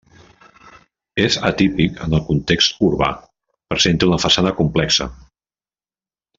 És atípic en el context urbà, presenta una façana complexa.